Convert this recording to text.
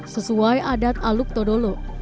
sesuai adat aluk todolo